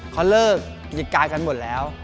เขาเลิกกิจการกันหมดแล้ว